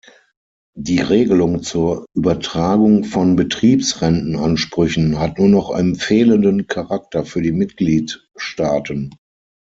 Die Regelung zur Übertragung von Betriebsrentenanspüchen hat nur noch empfehlenden Charakter für die Mitgliedstaaten.